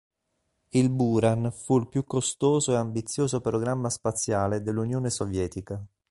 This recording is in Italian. Il Buran fu il più costoso e ambizioso programma spaziale dell'Unione Sovietica.